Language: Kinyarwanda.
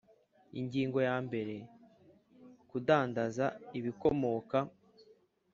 Ingingo ya mbere Kudandaza ibikomoka